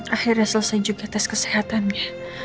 akhirnya selesai juga tes kesehatannya